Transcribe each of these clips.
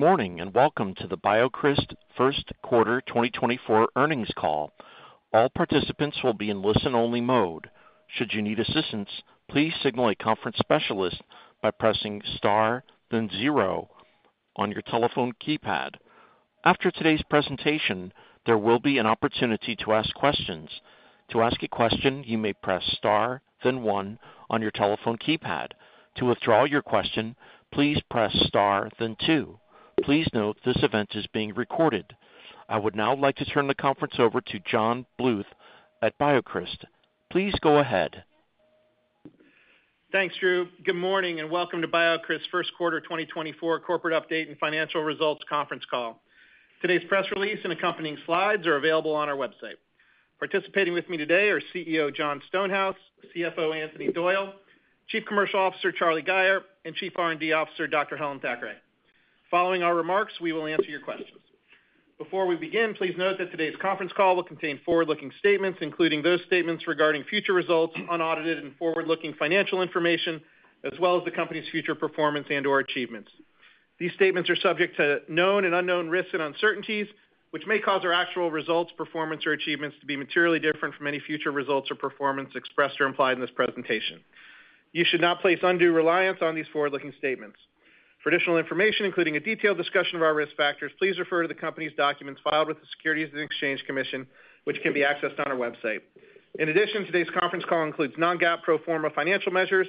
Morning, and welcome to the BioCryst first quarter 2024 earnings call. All participants will be in listen-only mode. Should you need assistance, please signal a conference specialist by pressing star, then zero on your telephone keypad. After today's presentation, there will be an opportunity to ask questions. To ask a question, you may press star, then one on your telephone keypad. To withdraw your question, please press star, then two. Please note, this event is being recorded. I would now like to turn the conference over to John Bluth at BioCryst. Please go ahead. Thanks, Drew. Good morning, and welcome to BioCryst's first quarter 2024 corporate update and financial results conference call. Today's press release and accompanying slides are available on our website. Participating with me today are CEO, Jon Stonehouse, CFO, Anthony Doyle, Chief Commercial Officer, Charlie Gayer, and Chief R&D Officer, Dr. Helen Thackray. Following our remarks, we will answer your questions. Before we begin, please note that today's conference call will contain forward-looking statements, including those statements regarding future results, unaudited and forward-looking financial information, as well as the company's future performance and/or achievements. These statements are subject to known and unknown risks and uncertainties, which may cause our actual results, performance, or achievements to be materially different from any future results or performance expressed or implied in this presentation. You should not place undue reliance on these forward-looking statements. For additional information, including a detailed discussion of our risk factors, please refer to the company's documents filed with the Securities and Exchange Commission, which can be accessed on our website. In addition, today's conference call includes non-GAAP pro forma financial measures.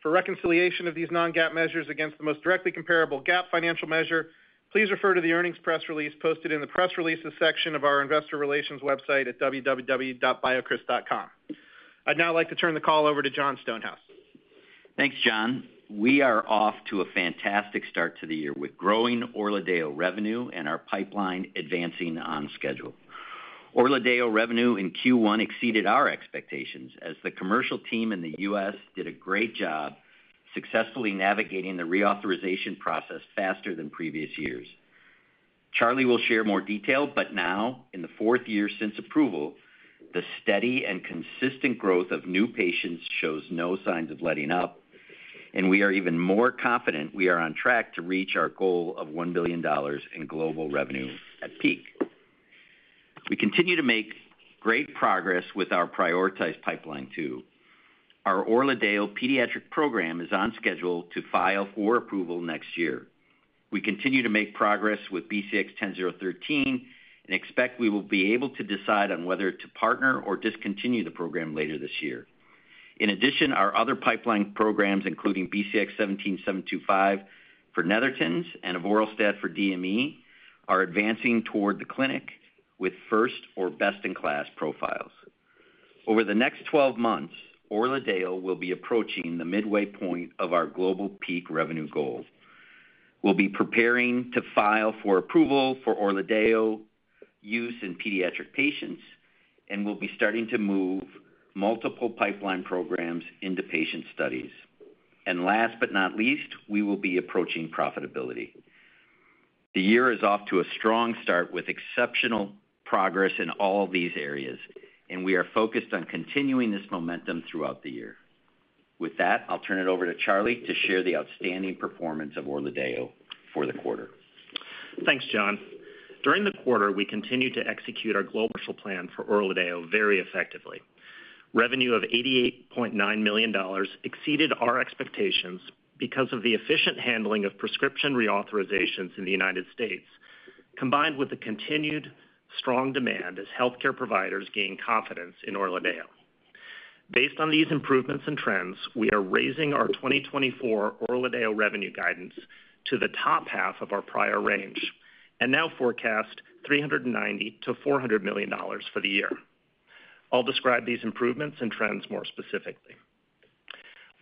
For reconciliation of these non-GAAP measures against the most directly comparable GAAP financial measure, please refer to the earnings press release posted in the Press Releases section of our investor relations website at www.biocryst.com. I'd now like to turn the call over to Jon Stonehouse. Thanks, John. We are off to a fantastic start to the year with growing ORLADEYO® revenue and our pipeline advancing on schedule. ORLADEYO® revenue in Q1 exceeded our expectations as the commercial team in the U.S. did a great job successfully navigating the reauthorization process faster than previous years. Charlie will share more detail, but now, in the fourth year since approval, the steady and consistent growth of new patients shows no signs of letting up, and we are even more confident we are on track to reach our goal of $1 billion in global revenue at peak. We continue to make great progress with our prioritized pipeline, too. Our ORLADEYO® pediatric program is on schedule to file for approval next year. We continue to make progress with BCX10013 and expect we will be able to decide on whether to partner or discontinue the program later this year. In addition, our other pipeline programs, including BCX17725 for Netherton syndrome and avoralstat for DME, are advancing toward the clinic with first or best-in-class profiles. Over the next 12 months, ORLADEYO® will be approaching the midway point of our global peak revenue goal. We'll be preparing to file for approval for ORLADEYO® use in pediatric patients, and we'll be starting to move multiple pipeline programs into patient studies. And last but not least, we will be approaching profitability. The year is off to a strong start with exceptional progress in all these areas, and we are focused on continuing this momentum throughout the year. With that, I'll turn it over to Charlie to share the outstanding performance of ORLADEYO® for the quarter. Thanks, John. During the quarter, we continued to execute our global commercial plan for ORLADEYO® very effectively. Revenue of $88.9 million exceeded our expectations because of the efficient handling of prescription reauthorizations in the United States, combined with the continued strong demand as healthcare providers gain confidence in ORLADEYO®. Based on these improvements and trends, we are raising our 2024 ORLADEYO® revenue guidance to the top half of our prior range and now forecast $390 million - $400 million for the year. I'll describe these improvements and trends more specifically.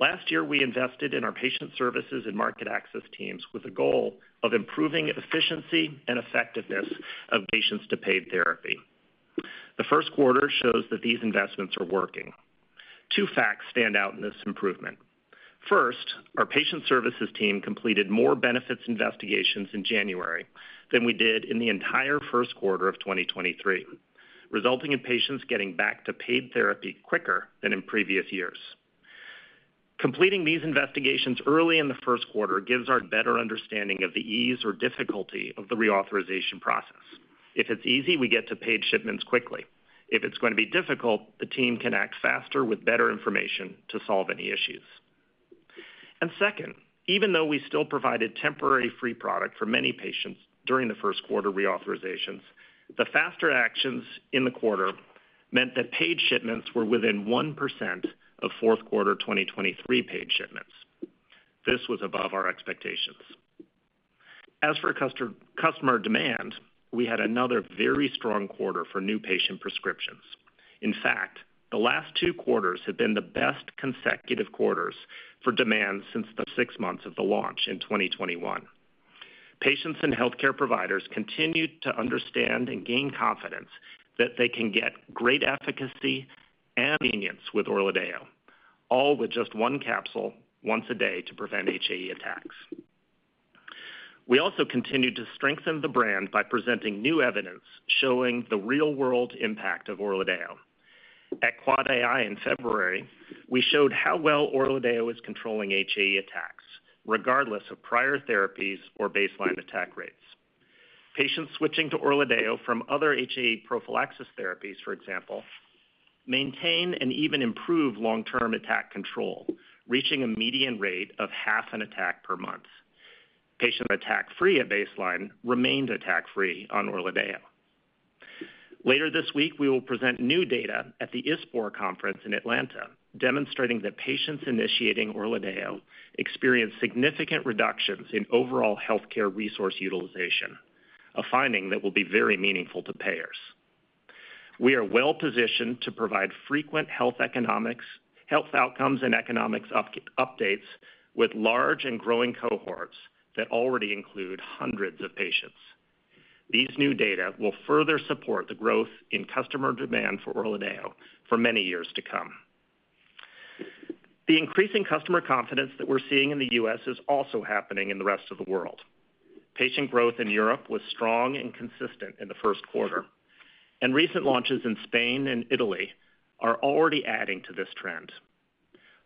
Last year, we invested in our patient services and market access teams with the goal of improving efficiency and effectiveness of patients to paid therapy. The first quarter shows that these investments are working. Two facts stand out in this improvement. First, our patient services team completed more benefits investigations in January than we did in the entire first quarter of 2023, resulting in patients getting back to paid therapy quicker than in previous years. Completing these investigations early in the first quarter gives us a better understanding of the ease or difficulty of the reauthorization process. If it's easy, we get to paid shipments quickly. If it's gonna be difficult, the team can act faster with better information to solve any issues. And second, even though we still provided temporary free product for many patients during the first quarter reauthorizations, the faster actions in the quarter meant that paid shipments were within 1% of fourth quarter 2023 paid shipments. This was above our expectations. As for customer demand, we had another very strong quarter for new patient prescriptions. In fact, the last two quarters have been the best consecutive quarters for demand since the six months of the launch in 2021. Patients and healthcare providers continued to understand and gain confidence that they can get great efficacy and convenience with ORLADEYO®, all with just one capsule once a day to prevent HAE attacks. We also continued to strengthen the brand by presenting new evidence showing the real-world impact of ORLADEYO®. At Quad AI in February, we showed how well ORLADEYO® is controlling HAE attacks, regardless of prior therapies or baseline attack rates. Patients switching to ORLADEYO® from other HAE prophylaxis therapies, for example, maintain and even improve long-term attack control, reaching a median rate of half an attack per month. Patients attack-free at baseline remained attack-free on ORLADEYO®. Later this week, we will present new data at the ISPOR Conference in Atlanta, demonstrating that patients initiating ORLADEYO® experience significant reductions in overall healthcare resource utilization, a finding that will be very meaningful to payers. We are well-positioned to provide frequent health economics, health outcomes, and economics updates with large and growing cohorts that already include hundreds of patients. These new data will further support the growth in customer demand for ORLADEYO® for many years to come. The increasing customer confidence that we're seeing in the U.S. is also happening in the rest of the world. Patient growth in Europe was strong and consistent in the first quarter, and recent launches in Spain and Italy are already adding to this trend.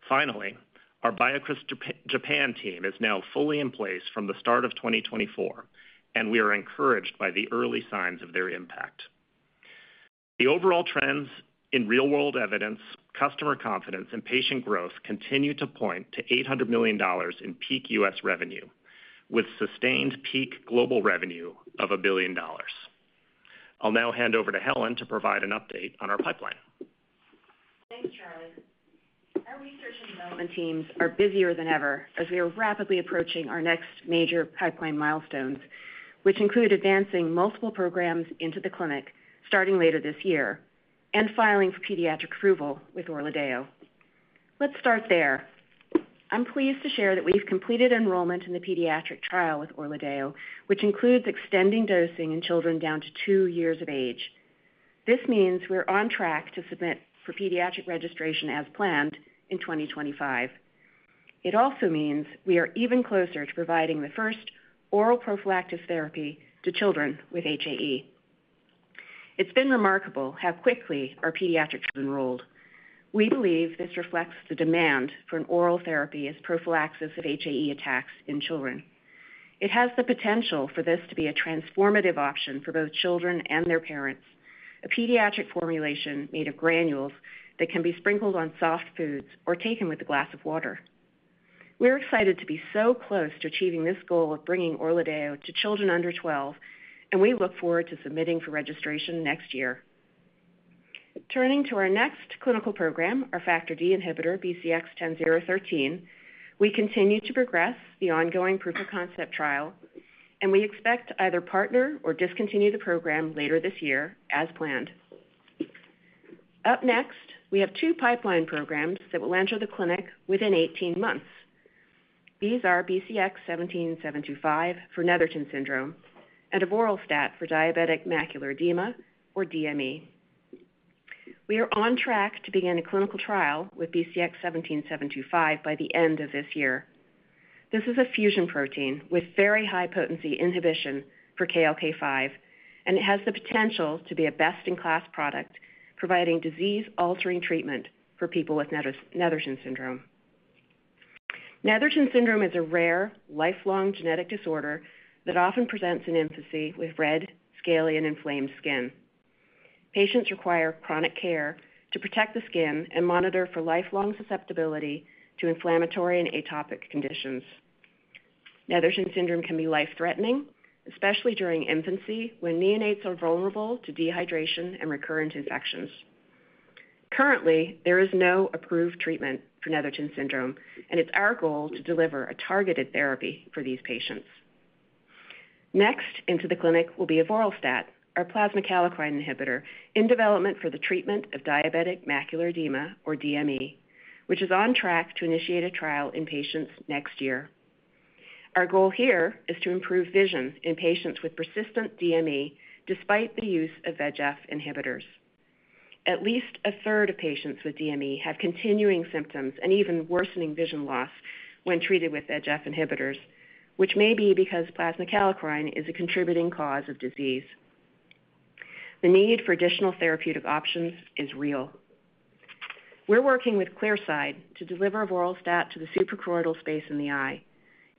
Finally, our BioCryst Japan team is now fully in place from the start of 2024, and we are encouraged by the early signs of their impact. The overall trends in real-world evidence, customer confidence, and patient growth continue to point to $800 million in peak U.S. revenue, with sustained peak global revenue of $1 billion. I'll now hand over to Helen to provide an update on our pipeline. Thanks, Charlie. Our research and development teams are busier than ever as we are rapidly approaching our next major pipeline milestones, which include advancing multiple programs into the clinic, starting later this year, and filing for pediatric approval with ORLADEYO®. Let's start there. I'm pleased to share that we've completed enrollment in the pediatric trial with ORLADEYO®, which includes extending dosing in children down to two years of age. This means we're on track to submit for pediatric registration as planned in 2025. It also means we are even closer to providing the first oral prophylactic therapy to children with HAE. It's been remarkable how quickly our pediatrics are enrolled. We believe this reflects the demand for an oral therapy as prophylaxis of HAE attacks in children. It has the potential for this to be a transformative option for both children and their parents, a pediatric formulation made of granules that can be sprinkled on soft foods or taken with a glass of water. We're excited to be so close to achieving this goal of bringing ORLADEYO® to children under 12, and we look forward to submitting for registration next year. Turning to our next clinical program, our Factor D inhibitor, BCX10013, we continue to progress the ongoing proof of concept trial, and we expect to either partner or discontinue the program later this year, as planned. Up next, we have 2 pipeline programs that will enter the clinic within 18 months. These are BCX17725 for Netherton syndrome and avoralstat for diabetic macular edema or DME. We are on track to begin a clinical trial with BCX17725 by the end of this year. This is a fusion protein with very high-potency inhibition for KLK5, and it has the potential to be a best-in-class product, providing disease-altering treatment for people with Netherton syndrome. Netherton syndrome is a rare, lifelong genetic disorder that often presents in infancy with red, scaly, and inflamed skin. Patients require chronic care to protect the skin and monitor for lifelong susceptibility to inflammatory and atopic conditions. Netherton syndrome can be life-threatening, especially during infancy, when neonates are vulnerable to dehydration and recurrent infections. Currently, there is no approved treatment for Netherton syndrome, and it's our goal to deliver a targeted therapy for these patients. Next into the clinic will be avoralstat, our plasma kallikrein inhibitor, in development for the treatment of diabetic macular edema or DME, which is on track to initiate a trial in patients next year. Our goal here is to improve vision in patients with persistent DME, despite the use of VEGF inhibitors. At least a third of patients with DME have continuing symptoms and even worsening vision loss when treated with VEGF inhibitors, which may be because plasma kallikrein is a contributing cause of disease. The need for additional therapeutic options is real. We're working with Clearside to deliver avoralstat to the suprachoroidal space in the eye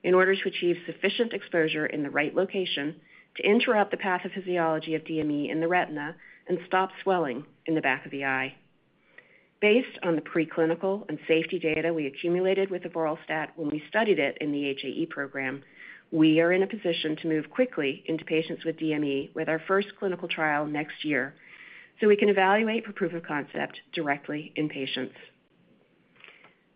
in order to achieve sufficient exposure in the right location to interrupt the pathophysiology of DME in the retina and stop swelling in the back of the eye. Based on the preclinical and safety data we accumulated with avoralstat when we studied it in the HAE program, we are in a position to move quickly into patients with DME with our first clinical trial next year, so we can evaluate for proof of concept directly in patients.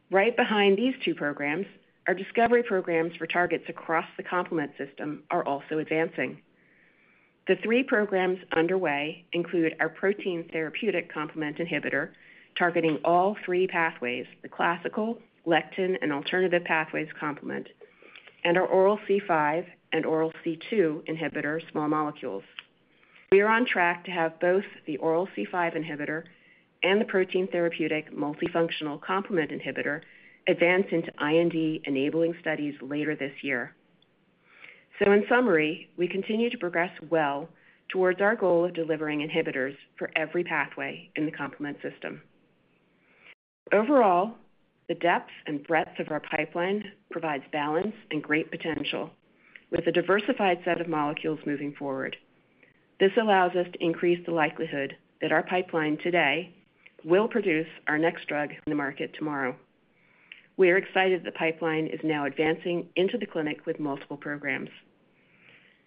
Right behind these two programs, our discovery programs for targets across the complement system are also advancing. The three programs underway include our protein therapeutic complement inhibitor, targeting all three pathways, the classical, lectin, and alternative pathways complement, and our oral C5 and oral C2 inhibitor small molecules. We are on track to have both the oral C5 inhibitor and the protein therapeutic multifunctional complement inhibitor advance into IND-enabling studies later this year. So in summary, we continue to progress well towards our goal of delivering inhibitors for every pathway in the complement system. Overall, the depth and breadth of our pipeline provides balance and great potential, with a diversified set of molecules moving forward. This allows us to increase the likelihood that our pipeline today will produce our next drug in the market tomorrow. We are excited the pipeline is now advancing into the clinic with multiple programs.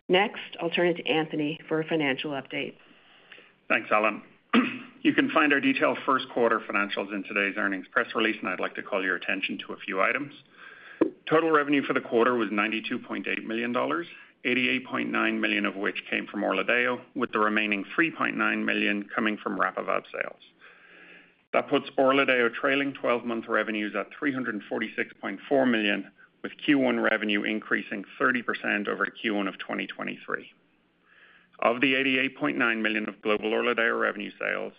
Next, I'll turn it to Anthony for a financial update. Thanks, Helen. You can find our detailed first quarter financials in today's earnings press release, and I'd like to call your attention to a few items. Total revenue for the quarter was $92.8 million, $88.9 million of which came from ORLADEYO®, with the remaining $3.9 million coming from RAPIVAB® sales. That puts ORLADEYO® trailing 12 month revenues at $346.4 million, with Q1 revenue increasing 30% over Q1 of 2023. Of the $88.9 million of global ORLADEYO® revenue sales,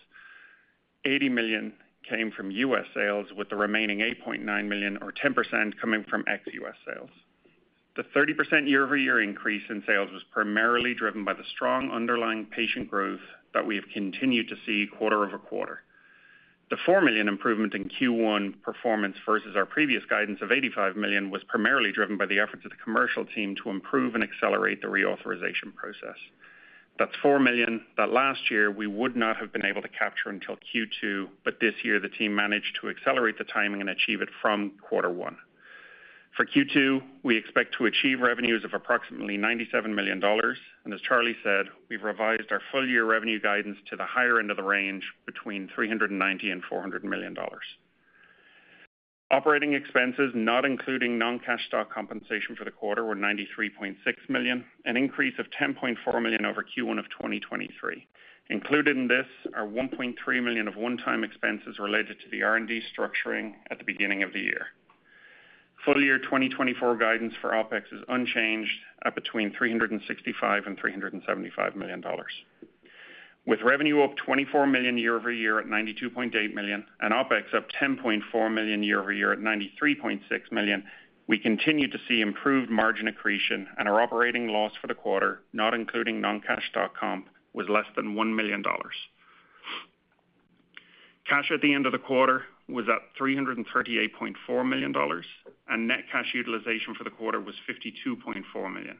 $80 million came from U.S. sales, with the remaining $8.9 million, or 10%, coming from ex-U.S. sales. The 30% year-over-year increase in sales was primarily driven by the strong underlying patient growth that we have continued to see quarter-over-quarter. The $4 million improvement in Q1 performance versus our previous guidance of $85 million was primarily driven by the efforts of the commercial team to improve and accelerate the reauthorization process. That's $4 million that last year we would not have been able to capture until Q2, but this year, the team managed to accelerate the timing and achieve it from quarter one. For Q2, we expect to achieve revenues of approximately $97 million, and as Charlie said, we've revised our full-year revenue guidance to the higher end of the range, between $390 million and $400 million. Operating expenses, not including non-cash stock compensation for the quarter, were $93.6 million, an increase of $10.4 million over Q1 of 2023. Included in this are $1.3 million of one-time expenses related to the R&D structuring at the beginning of the year. Full-year 2024 guidance for OPEX is unchanged at between $365 million and $375 million. With revenue up $24 million year-over-year at $92.8 million, and OPEX up $10.4 million year-over-year at $93.6 million, we continue to see improved margin accretion and our operating loss for the quarter, not including non-cash stock comp, was less than $1 million. Cash at the end of the quarter was at $338.4 million, and net cash utilization for the quarter was $52.4 million.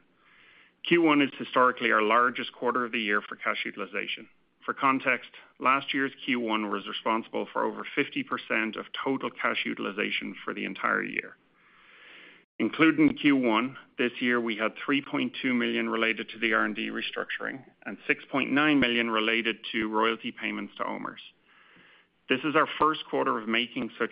Q1 is historically our largest quarter of the year for cash utilization. For context, last year's Q1 was responsible for over 50% of total cash utilization for the entire year. Including Q1, this year, we had $3.2 million related to the R&D restructuring and $6.9 million related to royalty payments to OMERS. This is our first quarter of making such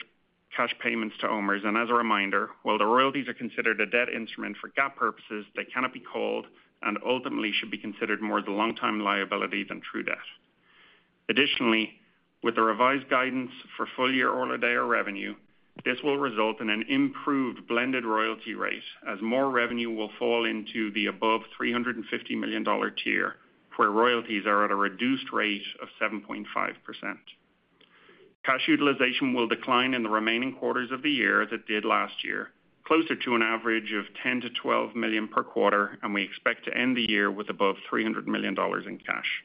cash payments to OMERS, and as a reminder, while the royalties are considered a debt instrument for GAAP purposes, they cannot be called and ultimately should be considered more the long-term liability than true debt. Additionally, with the revised guidance for full-year ORLADEYO® revenue, this will result in an improved blended royalty rate as more revenue will fall into the above $350 million tier, where royalties are at a reduced rate of 7.5%. Cash utilization will decline in the remaining quarters of the year as it did last year, closer to an average of $10 million-$12 million per quarter, and we expect to end the year with above $300 million in cash.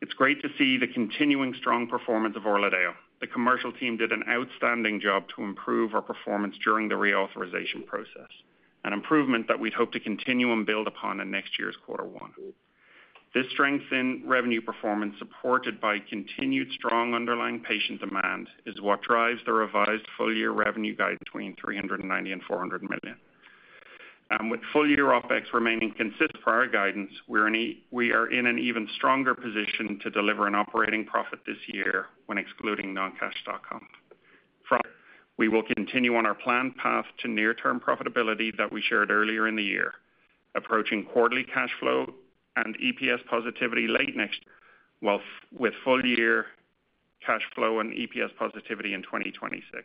It's great to see the continuing strong performance of ORLADEYO®. The commercial team did an outstanding job to improve our performance during the reauthorization process, an improvement that we'd hope to continue and build upon in next year's quarter one. This strength in revenue performance, supported by continued strong underlying patient demand, is what drives the revised full-year revenue guide between $390 million and $400 million. With full-year OPEX remaining consistent for our guidance, we are in an even stronger position to deliver an operating profit this year when excluding non-cash stock comp. here, we will continue on our planned path to near-term profitability that we shared earlier in the year, approaching quarterly cash flow and EPS positivity late next year, while with full-year cash flow and EPS positivity in 2026,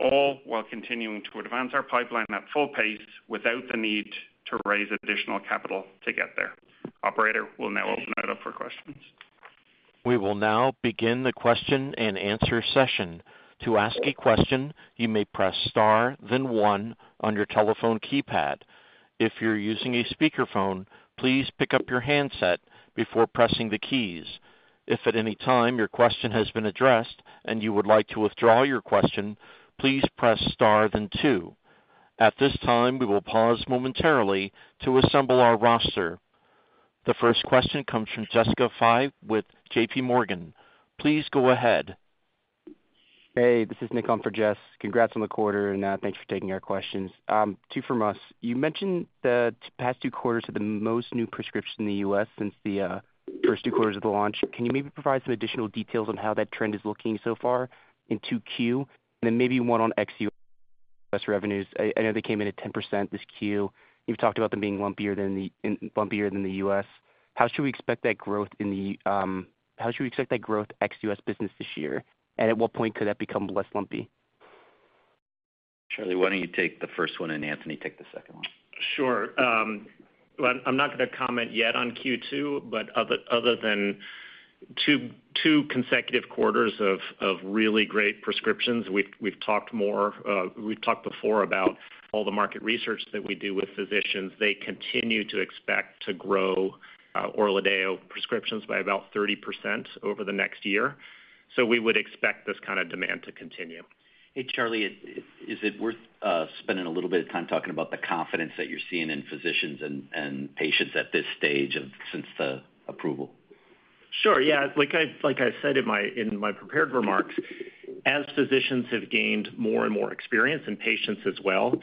all while continuing to advance our pipeline at full pace without the need to raise additional capital to get there. Operator, we'll now open it up for questions. We will now begin the question-and-answer session. To ask a question, you may press star, then one on your telephone keypad. If you're using a speakerphone, please pick up your handset before pressing the keys. If at any time your question has been addressed and you would like to withdraw your question, please press star, then two. At this time, we will pause momentarily to assemble our roster. The first question comes from Jessica Fye with JPMorgan. Please go ahead. Hey, this is Nick on for Jess. Congrats on the quarter, and thanks for taking our questions. Two from us. You mentioned the past two quarters had the most new prescriptions in the U.S. since the first two quarters of the launch. Can you maybe provide some additional details on how that trend is looking so far in 2Q? And then maybe one on ex-U.S. revenues. I, I know they came in at 10% this Q. You've talked about them being lumpier than the U.S. How should we expect that growth in the ex-U.S. business this year, and at what point could that become less lumpy? Charlie, why don't you take the first one, and Anthony, take the second one? Sure. Well, I'm not going to comment yet on Q2, but other than two consecutive quarters of really great prescriptions. We've talked before about all the market research that we do with physicians. They continue to expect to grow ORLADEYO® prescriptions by about 30% over the next year. So we would expect this kind of demand to continue. Hey, Charlie, is it worth spending a little bit of time talking about the confidence that you're seeing in physicians and patients at this stage since the approval? Sure, yeah. Like I, like I said in my, in my prepared remarks, as physicians have gained more and more experience, and patients as well,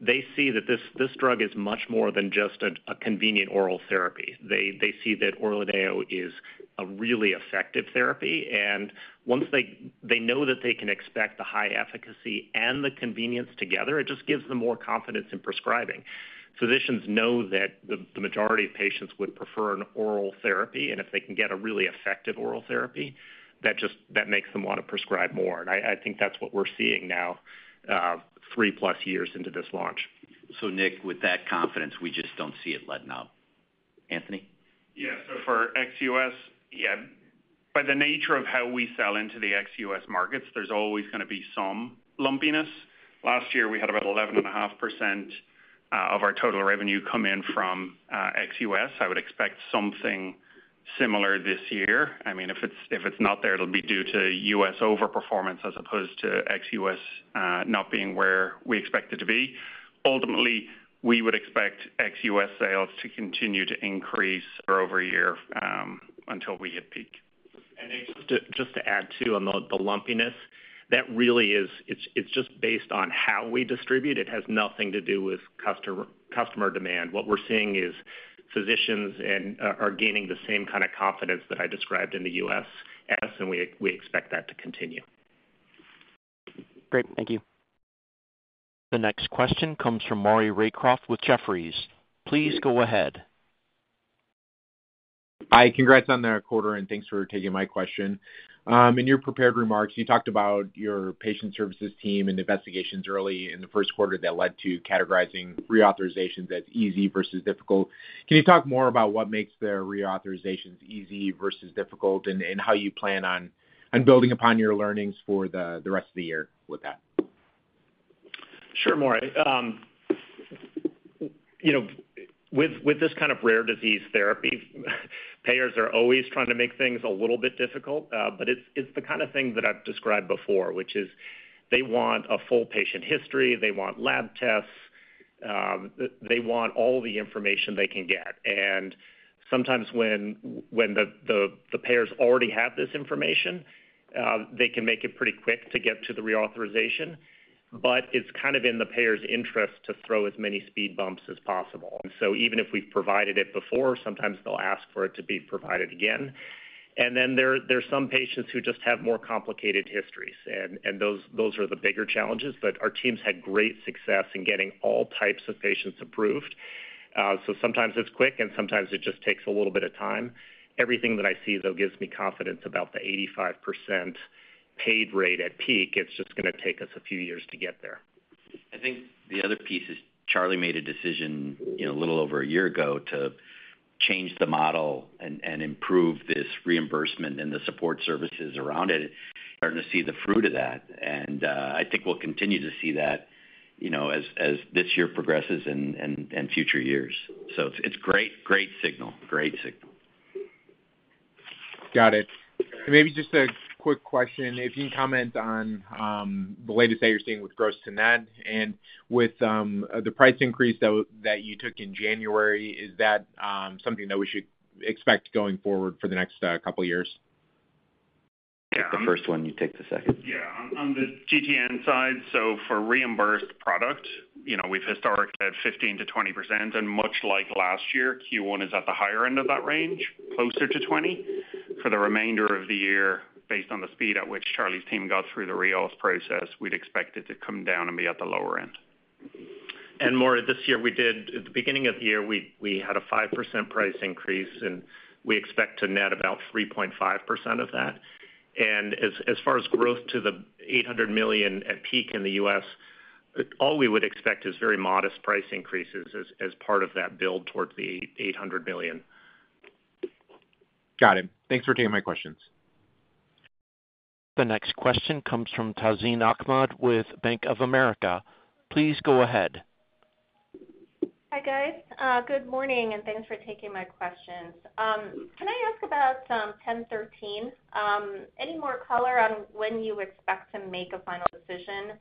they see that this, this drug is much more than just a, a convenient oral therapy. They, they see that ORLADEYO® is a really effective therapy, and once they, they know that they can expect the high efficacy and the convenience together, it just gives them more confidence in prescribing. Physicians know that the, the majority of patients would prefer an oral therapy, and if they can get a really effective oral therapy, that just- that makes them want to prescribe more. And I, I think that's what we're seeing now, 3+ years into this launch. Nick, with that confidence, we just don't see it letting up. Anthony? Yeah. So for ex-US, yeah, by the nature of how we sell into the ex-US markets, there's always gonna be some lumpiness. Last year, we had about 11.5% of our total revenue come in from ex-US. I would expect something similar this year. I mean, if it's, if it's not there, it'll be due to US overperformance as opposed to ex-US not being where we expect it to be. Ultimately, we would expect ex-US sales to continue to increase year-over-year until we hit peak. And just to add, too, on the lumpiness, that really is... It's just based on how we distribute. It has nothing to do with customer demand. What we're seeing is physicians are gaining the same kind of confidence that I described in the US, and we expect that to continue. Great. Thank you. The next question comes from Maury Raycroft with Jefferies. Please go ahead. Hi, congrats on the quarter, and thanks for taking my question. In your prepared remarks, you talked about your patient services team and investigations early in the first quarter that led to categorizing reauthorizations as easy versus difficult. Can you talk more about what makes the reauthorizations easy versus difficult, and how you plan on building upon your learnings for the rest of the year with that? Sure, Maury. You know, with this kind of rare disease therapy, payers are always trying to make things a little bit difficult, but it's the kind of thing that I've described before, which is they want a full patient history, they want lab tests, they want all the information they can get. And sometimes when the payers already have this information, they can make it pretty quick to get to the reauthorization, but it's kind of in the payer's interest to throw as many speed bumps as possible. And so even if we've provided it before, sometimes they'll ask for it to be provided again. And then there are some patients who just have more complicated histories, and those are the bigger challenges. But our teams had great success in getting all types of patients approved. So sometimes it's quick, and sometimes it just takes a little bit of time. Everything that I see, though, gives me confidence about the 85% paid rate at peak. It's just gonna take us a few years to get there. I think the other piece is Charlie made a decision, you know, a little over a year ago to change the model and improve this reimbursement and the support services around it, starting to see the fruit of that. And I think we'll continue to see that, you know, as this year progresses and future years. So it's great, great signal. Great signal. Got it. Maybe just a quick question. If you can comment on the latest that you're seeing with gross-to-net, and with the price increase that you took in January, is that something that we should expect going forward for the next couple years? The first one, you take the second. Yeah, on the GTN side, so for reimbursed product, you know, we've historically had 15%-20%, and much like last year, Q1 is at the higher end of that range, closer to 20%. For the remainder of the year, based on the speed at which Charlie's team got through the reauth process, we'd expect it to come down and be at the lower end. Maury, this year we did at the beginning of the year, we had a 5% price increase, and we expect to net about 3.5% of that. As far as growth to the $800 million at peak in the US, all we would expect is very modest price increases as part of that build toward the $800 million. Got it. Thanks for taking my questions. The next question comes from Tazeen Ahmad with Bank of America. Please go ahead. Hi, guys. Good morning, and thanks for taking my questions. Can I ask about ten thirteen? Any more color on when you expect to make a final decision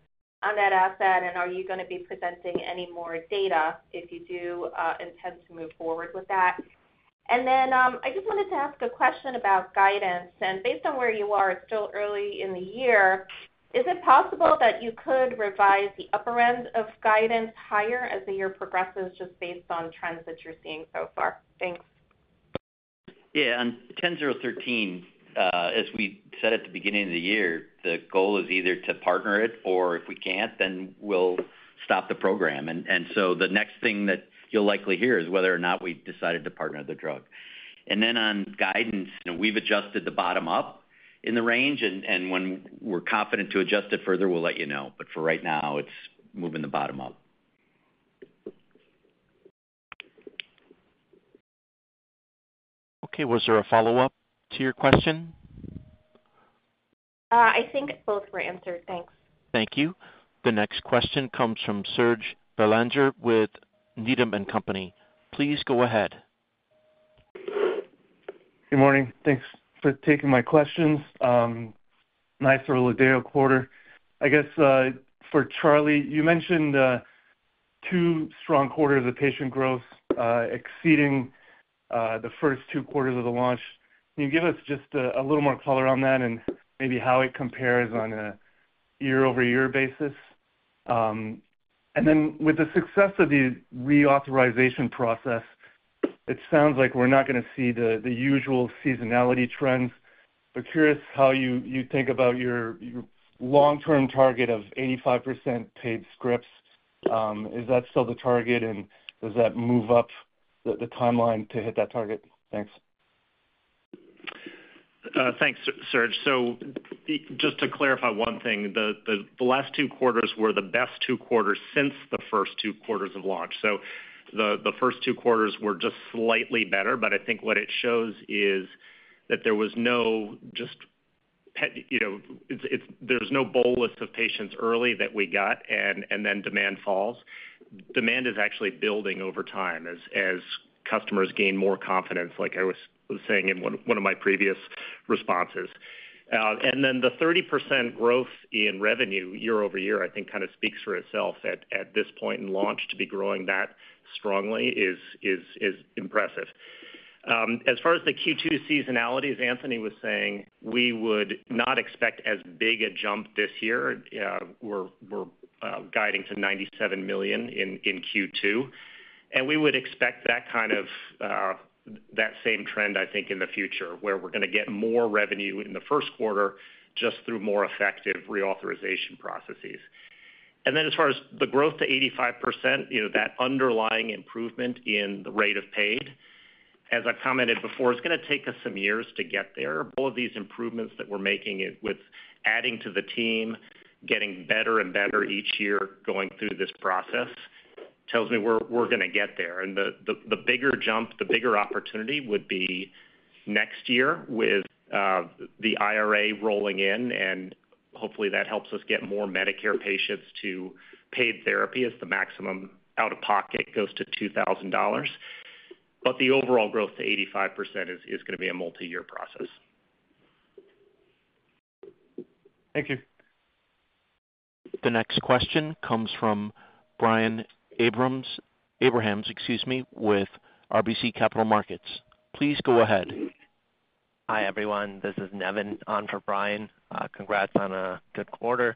on that asset, and are you gonna be presenting any more data if you do intend to move forward with that? And then, I just wanted to ask a question about guidance. And based on where you are, it's still early in the year, is it possible that you could revise the upper end of guidance higher as the year progresses, just based on trends that you're seeing so far? Thanks. Yeah, on BCX10013, as we said at the beginning of the year, the goal is either to partner it or if we can't, then we'll stop the program. And so the next thing that you'll likely hear is whether or not we decided to partner the drug. And then on guidance, you know, we've adjusted the bottom up in the range, and when we're confident to adjust it further, we'll let you know. But for right now, it's moving the bottom up. Okay. Was there a follow-up to your question? I think both were answered. Thanks. Thank you. The next question comes from Serge Belanger with Needham & Company. Please go ahead. Good morning. Thanks for taking my questions. Nice ORLADEYO® quarter. I guess, for Charlie, you mentioned, two strong quarters of patient growth, exceeding, the first two quarters of the launch. Can you give us just, a little more color on that and maybe how it compares on a year-over-year basis? And then with the success of the reauthorization process, it sounds like we're not gonna see the usual seasonality trends. But curious how you think about your long-term target of 85% paid scripts. Is that still the target? And does that move up the timeline to hit that target? Thanks. Thanks, Serge. So just to clarify one thing, the last two quarters were the best two quarters since the first two quarters of launch. So the first two quarters were just slightly better, but I think what it shows is that there was no, you know, it's, there's no bolus of patients early that we got and then demand falls. Demand is actually building over time as customers gain more confidence, like I was saying in one of my previous responses. And then the 30% growth in revenue year-over-year, I think, kind of speaks for itself. At this point in launch, to be growing that strongly is impressive. As far as the Q2 seasonality, as Anthony was saying, we would not expect as big a jump this year. We're guiding to $97 million in Q2, and we would expect that kind of that same trend, I think, in the future, where we're gonna get more revenue in the first quarter, just through more effective reauthorization processes. And then as far as the growth to 85%, you know, that underlying improvement in the rate of paid, as I commented before, it's gonna take us some years to get there. All of these improvements that we're making it with adding to the team, getting better and better each year, going through this process, tells me we're gonna get there. And the bigger jump, the bigger opportunity would be next year with the IRA rolling in, and hopefully, that helps us get more Medicare patients to paid therapy, as the maximum out-of-pocket goes to $2,000. But the overall growth to 85% is gonna be a multiyear process. Thank you. The next question comes from Brian Abrahams, Abrahams, excuse me, with RBC Capital Markets. Please go ahead. Hi, everyone. This is Nevin on for Brian. Congrats on a good quarter.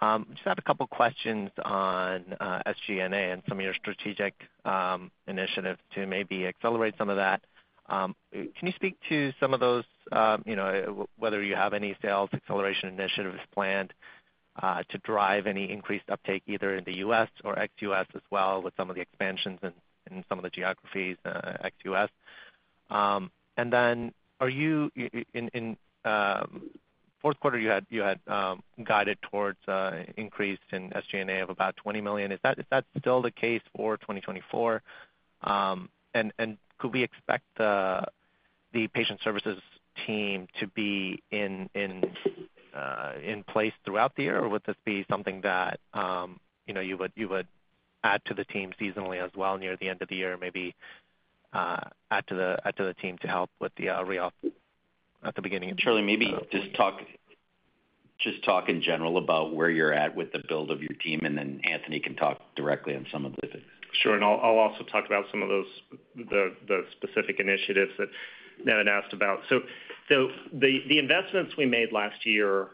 Just have a couple questions on SG&A and some of your strategic initiatives to maybe accelerate some of that. Can you speak to some of those, you know, whether you have any sales acceleration initiatives planned to drive any increased uptake, either in the U.S. or ex-U.S. as well, with some of the expansions in some of the geographies ex-U.S.? And then in fourth quarter, you had guided towards an increase in SG&A of about $20 million. Is that still the case for 2024? And could we expect the patient services team to be in place throughout the year? Or would this be something that, you know, you would add to the team seasonally as well, near the end of the year, maybe add to the team to help with the at the beginning of the year? Charlie, maybe just talk in general about where you're at with the build of your team, and then Anthony can talk directly on some of the things. Sure, and I'll also talk about some of those, the specific initiatives that Nevin asked about. So, the investments we made last year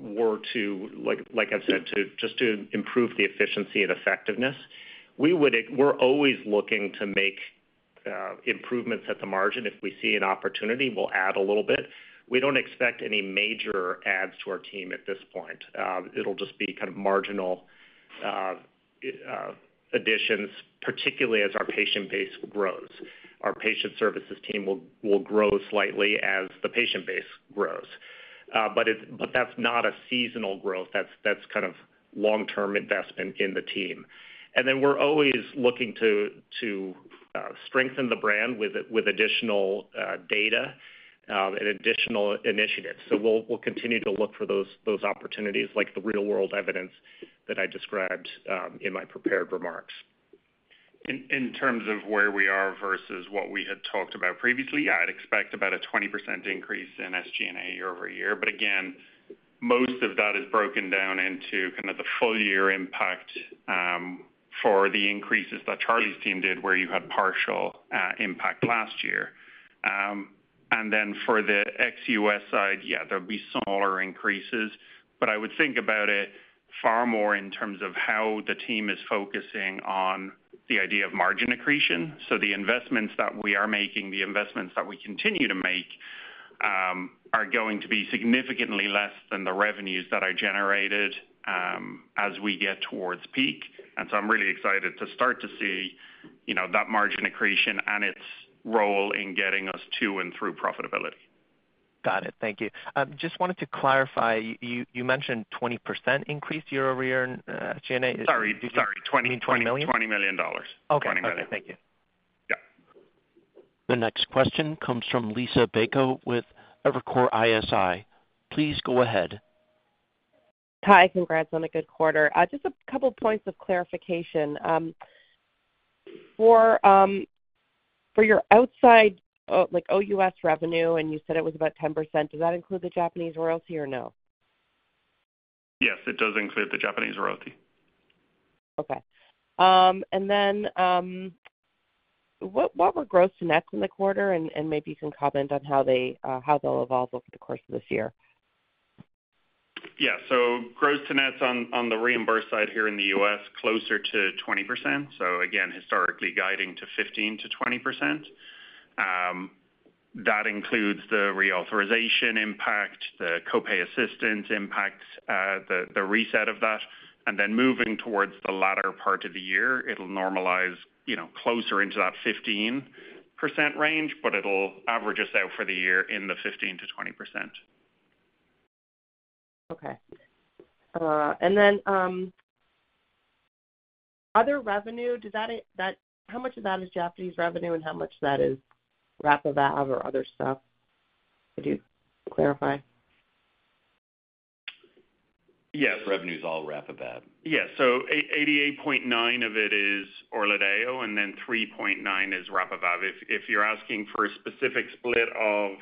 were to, like I said, just improve the efficiency and effectiveness. We're always looking to make improvements at the margin. If we see an opportunity, we'll add a little bit. We don't expect any major adds to our team at this point. It'll just be kind of marginal additions, particularly as our patient base grows. Our patient services team will grow slightly as the patient base grows. But that's not a seasonal growth. That's a long-term investment in the team. And then we're always looking to strengthen the brand with additional data and additional initiatives. So we'll continue to look for those opportunities, like the real-world evidence that I described in my prepared remarks. In terms of where we are versus what we had talked about previously, yeah, I'd expect about a 20% increase in SG&A year-over-year. But again, most of that is broken down into kind of the full year impact, for the increases that Charlie's team did, where you had partial, impact last year. And then for the ex-US side, yeah, there'll be smaller increases, but I would think about it far more in terms of how the team is focusing on the idea of margin accretion. So the investments that we are making, the investments that we continue to make, are going to be significantly less than the revenues that are generated, as we get towards peak. And so I'm really excited to start to see, you know, that margin accretion and its role in getting us to and through profitability. Got it. Thank you. Just wanted to clarify, you mentioned 20% increase year-over-year in SG&A? Sorry, sorry. You mean $20 million? $20 million. Okay. Twenty million. Thank you. Yeah. The next question comes from Liisa Bayko with Evercore ISI. Please go ahead. Hi, congrats on a good quarter. Just a couple points of clarification. For your outside, like, OUS revenue, and you said it was about 10%, does that include the Japanese royalty or no? Yes, it does include the Japanese royalty. Okay. And then, what were gross to nets in the quarter? And maybe you can comment on how they'll evolve over the course of this year. Yeah. So gross to nets on, on the reimbursed side here in the U.S., closer to 20%. So again, historically guiding to 15%-20%. That includes the reauthorization impact, the copay assistance impact, the reset of that, and then moving towards the latter part of the year, it'll normalize, you know, closer into that 15% range, but it'll average us out for the year in the 15%-20%. Okay. And then, other revenue, does that, how much of that is Japanese revenue and how much of that is RAPIVAB® or other stuff? Could you clarify? Yes. Revenue is all RAPIVAB®. Yes. So $88.9 million of it is ORLADEYO®, and then $3.9 million is RAPIVAB®. If, if you're asking for a specific split of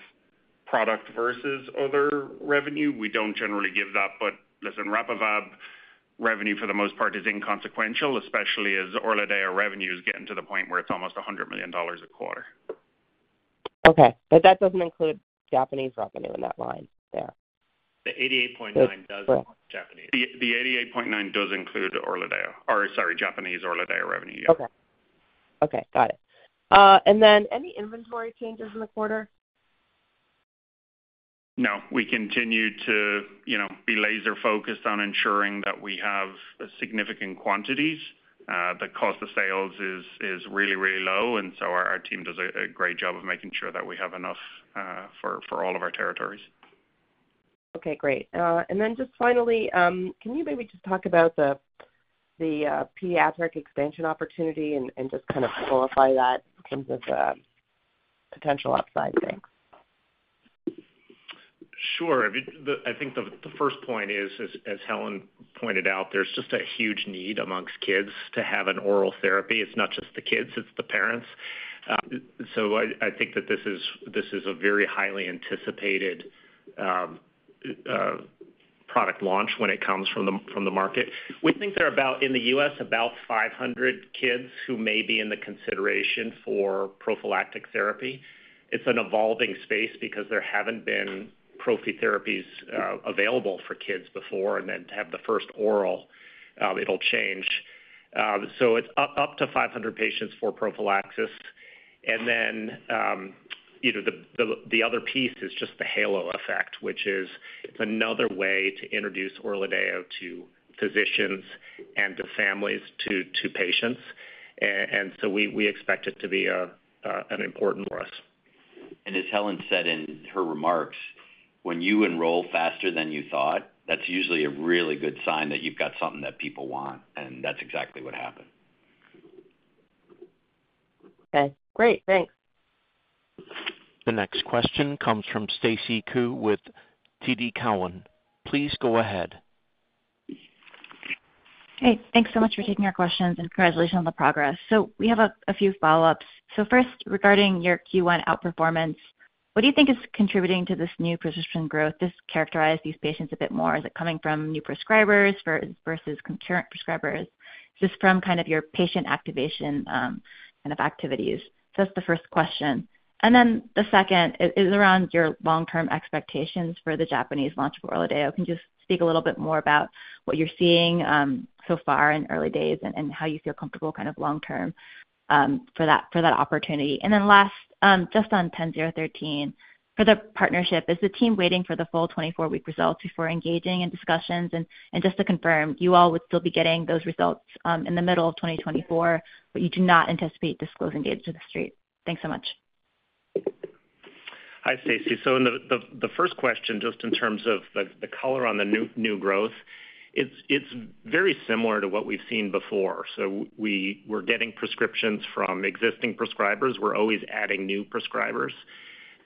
product versus other revenue, we don't generally give that. But listen, RAPIVAB® revenue for the most part is inconsequential, especially as ORLADEYO® revenue is getting to the point where it's almost $100 million a quarter. Okay. But that doesn't include Japanese revenue in that line there? The 88.9 does include Japanese. The 88.9 does include ORLADEYO® or, sorry, Japanese ORLADEYO® revenue, yes. Okay. Okay, got it. Any inventory changes in the quarter? No, we continue to, you know, be laser-focused on ensuring that we have significant quantities. The cost of sales is really, really low, and so our team does a great job of making sure that we have enough for all of our territories. Okay, great. And then just finally, can you maybe just talk about the pediatric expansion opportunity and just kind of qualify that in terms of potential upside there? Sure. I mean, I think the first point is, as Helen pointed out, there's just a huge need among kids to have an oral therapy. It's not just the kids, it's the parents. So I think that this is a very highly anticipated product launch when it comes from the market. We think there are about, in the U.S., about 500 kids who may be in the consideration for prophylactic therapy. It's an evolving space because there haven't been prophy therapies available for kids before, and then to have the first oral, it'll change. So it's up to 500 patients for prophylaxis. And then, you know, the other piece is just the halo effect, which is another way to introduce ORLADEYO® to physicians and to families, to patients. So we expect it to be an important for us. As Helen said in her remarks, when you enroll faster than you thought, that's usually a really good sign that you've got something that people want, and that's exactly what happened. Okay, great. Thanks. The next question comes from Stacy Ku with TD Cowen. Please go ahead. Hey, thanks so much for taking our questions, and congratulations on the progress. We have a few follow-ups. First, regarding your Q1 outperformance, what do you think is contributing to this new prescription growth? To characterize these patients a bit more. Is it coming from new prescribers versus concurrent prescribers? Just from kind of your patient activation kind of activities. That's the first question. And then the second is around your long-term expectations for the Japanese launch of ORLADEYO®. Can you just speak a little bit more about what you're seeing so far in early days and how you feel comfortable kind of long term for that opportunity? And then last, just on BCX10013, for the partnership, is the team waiting for the full 24-week results before engaging in discussions? Just to confirm, you all would still be getting those results in the middle of 2024, but you do not anticipate disclosing dates to the street. Thanks so much. Hi, Stacy. So in the first question, just in terms of the color on the new growth, it's very similar to what we've seen before. So we're getting prescriptions from existing prescribers. We're always adding new prescribers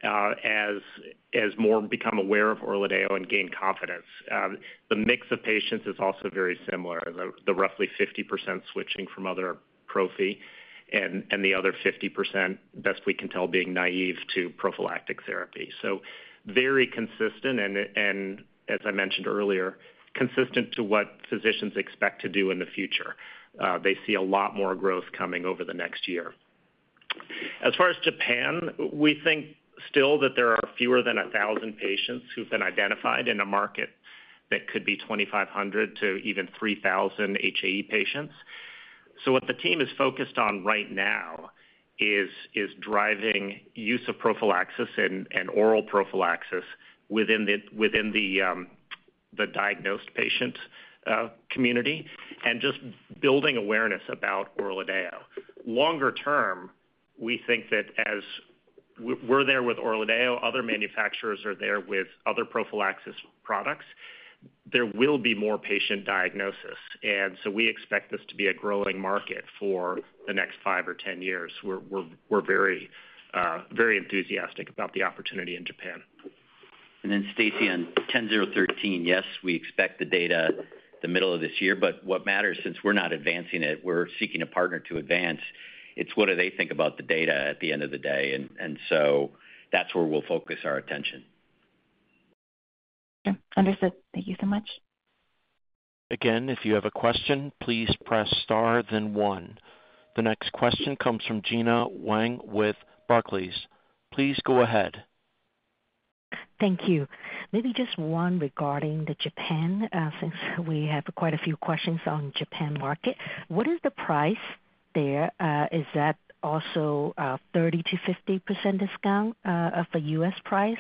as more become aware of ORLADEYO® and gain confidence. The mix of patients is also very similar, the roughly 50% switching from other prophy and the other 50%, best we can tell, being naive to prophylactic therapy. So very consistent, and as I mentioned earlier, consistent to what physicians expect to do in the future. They see a lot more growth coming over the next year. As far as Japan, we think still that there are fewer than 1,000 patients who've been identified in a market that could be 2,500 to even 3,000 HAE patients. So what the team is focused on right now is driving use of prophylaxis and oral prophylaxis within the diagnosed patient community and just building awareness about ORLADEYO®. Longer term, we think that as we're there with ORLADEYO®, other manufacturers are there with other prophylaxis products, there will be more patient diagnosis, and so we expect this to be a growing market for the next 5 or 10 years. We're very enthusiastic about the opportunity in Japan. And then Stacy, on 10013, yes, we expect the data in the middle of this year, but what matters, since we're not advancing it, we're seeking a partner to advance, it's what do they think about the data at the end of the day? And so that's where we'll focus our attention. Sure. Understood. Thank you so much. Again, if you have a question, please press star then one. The next question comes from Gina Wang with Barclays. Please go ahead. Thank you. Maybe just one regarding the Japan, since we have quite a few questions on Japan market. What is the price there? Is that also, 30% to 50% discount, of the US price,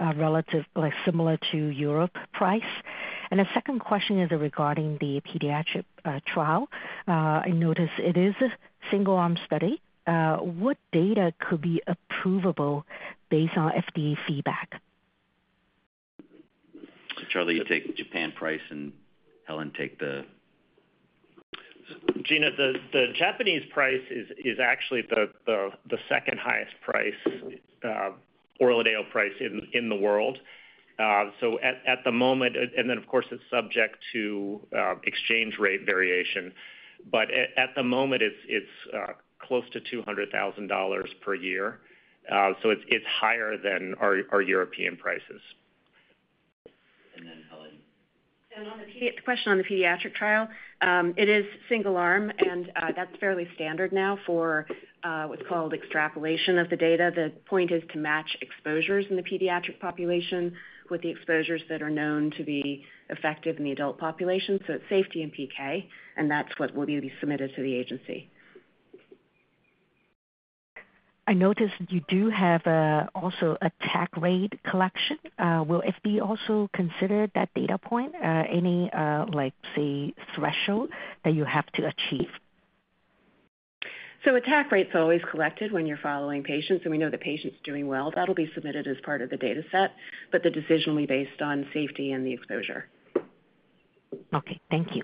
relative, like, similar to Europe price? The second question is regarding the pediatric trial. I notice it is a single-arm study. What data could be approvable based on FDA feedback? Charlie, you take Japan price and Helen, take the... Gina, the Japanese price is actually the second highest ORLADEYO® price in the world. So at the moment, of course, it's subject to exchange rate variation. But at the moment, it's close to $200,000 per year, so it's higher than our European prices. And then Helen. On the pediatric question on the pediatric trial, it is single arm, and that's fairly standard now for what's called extrapolation of the data. The point is to match exposures in the pediatric population with the exposures that are known to be effective in the adult population, so it's safety and PK, and that's what will be submitted to the agency. I noticed you do have a also attack rate collection. Will FB also consider that data point, any, like, say, threshold that you have to achieve? So attack rate's always collected when you're following patients, and we know the patient's doing well. That'll be submitted as part of the data set, but the decision will be based on safety and the exposure. Okay. Thank you.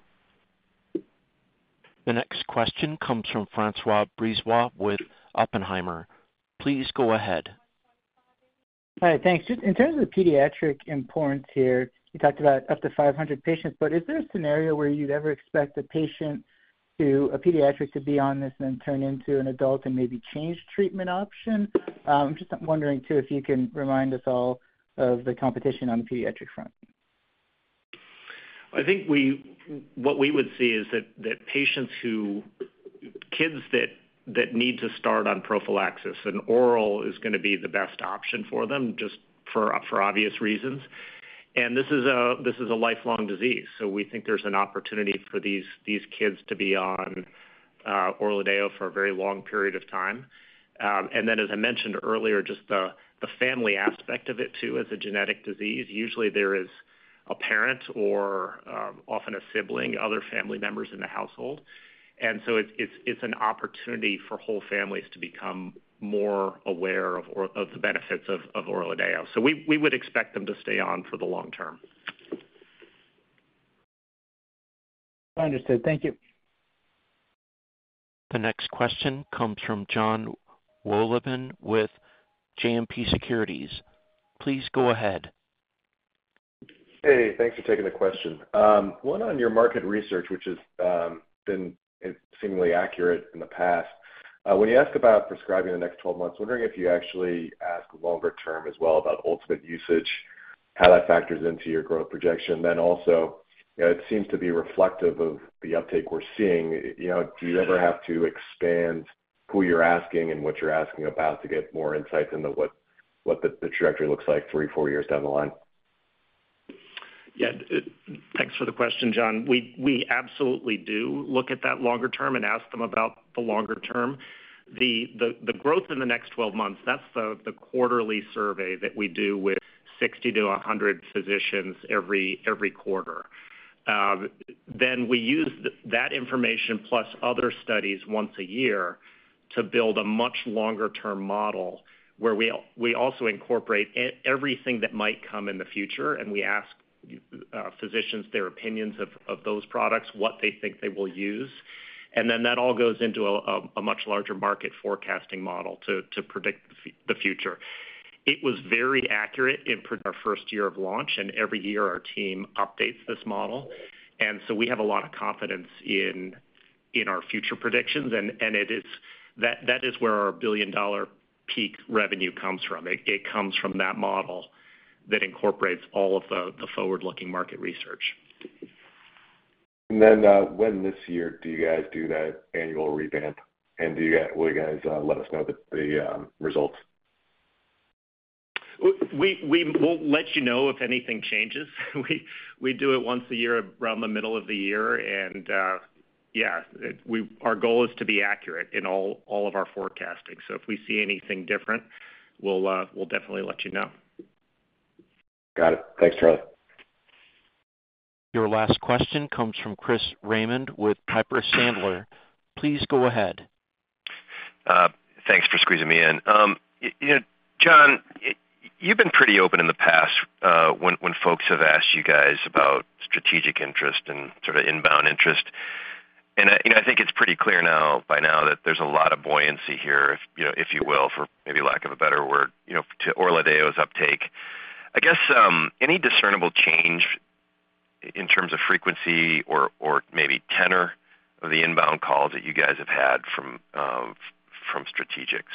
The next question comes from Francois Brisebois with Oppenheimer. Please go ahead. Hi, thanks. Just in terms of the pediatric importance here, you talked about up to 500 patients, but is there a scenario where you'd ever expect a patient to, a pediatric, to be on this and then turn into an adult and maybe change treatment option? Just I'm wondering, too, if you can remind us all of the competition on the pediatric front. I think what we would see is that kids that need to start on prophylaxis, and oral is going to be the best option for them, just for obvious reasons. And this is a lifelong disease, so we think there's an opportunity for these kids to be on ORLADEYO® for a very long period of time. And then, as I mentioned earlier, just the family aspect of it, too, as a genetic disease. Usually, there is a parent or often a sibling, other family members in the household. And so it's an opportunity for whole families to become more aware of ORLADEYO® of the benefits of ORLADEYO®. So we would expect them to stay on for the long term. Understood. Thank you. The next question comes from John Wolleben with JMP Securities. Please go ahead. Hey, thanks for taking the question. One on your market research, which has been seemingly accurate in the past. When you ask about prescribing the next 12 months, wondering if you actually ask longer term as well about ultimate usage, how that factors into your growth projection. Then also, it seems to be reflective of the uptake we're seeing. You know, do you ever have to expand who you're asking and what you're asking about to get more insight into what the trajectory looks like 3-4 years down the line? Yeah, thanks for the question, John. We absolutely do look at that longer term and ask them about the longer term. The growth in the next 12 months, that's the quarterly survey that we do with 60-100 physicians every quarter. Then we use that information plus other studies once a year to build a much longer-term model, where we also incorporate everything that might come in the future, and we ask physicians their opinions of those products, what they think they will use. Then that all goes into a much larger market forecasting model to predict the future. It was very accurate in our first year of launch, and every year, our team updates this model. So we have a lot of confidence in our future predictions, and it is. That is where our billion-dollar peak revenue comes from. It comes from that model that incorporates all of the forward-looking market research. And then, when this year do you guys do that annual revamp? And do you guys, will you guys, let us know the results? We'll let you know if anything changes. We do it once a year, around the middle of the year, and Yeah, we, our goal is to be accurate in all, all of our forecasting. So if we see anything different, we'll, we'll definitely let you know. Got it. Thanks, Charlie. Your last question comes from Chris Raymond with Piper Sandler. Please go ahead. Thanks for squeezing me in. You know, Jon, you've been pretty open in the past when folks have asked you guys about strategic interest and sort of inbound interest. And I, you know, I think it's pretty clear now, by now that there's a lot of buoyancy here, if you know, if you will, for maybe lack of a better word, you know, to ORLADEYO®'s uptake. I guess, any discernible change in terms of frequency or maybe tenor of the inbound calls that you guys have had from strategics?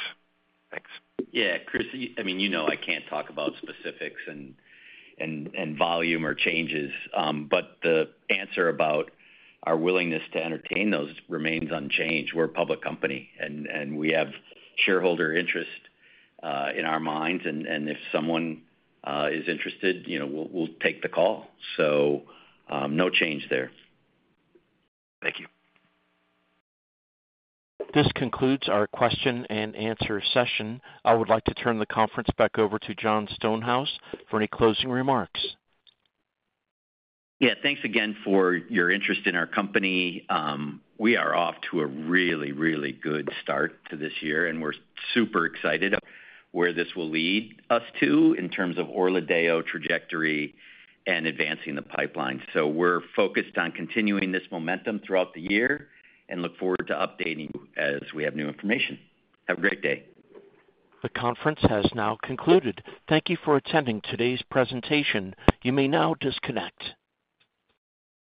Thanks. Yeah, Chris, I mean, you know, I can't talk about specifics and volume or changes. But the answer about our willingness to entertain those remains unchanged. We're a public company, and we have shareholder interest in our minds, and if someone is interested, you know, we'll take the call. So, no change there. Thank you. This concludes our question and answer session. I would like to turn the conference back over to Jon Stonehouse for any closing remarks. Yeah, thanks again for your interest in our company. We are off to a really, really good start to this year, and we're super excited where this will lead us to in terms of ORLADEYO® trajectory and advancing the pipeline. We're focused on continuing this momentum throughout the year and look forward to updating you as we have new information. Have a great day. The conference has now concluded. Thank you for attending today's presentation. You may now disconnect.